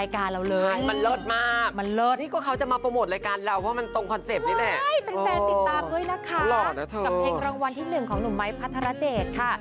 เป็นแฟนติดตามด้วยนะคะกับเพลงรางวัลที่๑ของหนุ่มไม้พัทรเดชค่ะ